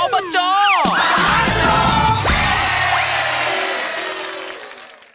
อบจหาโลก